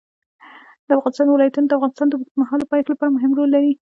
د افغانستان ولايتونه د افغانستان د اوږدمهاله پایښت لپاره مهم رول لري.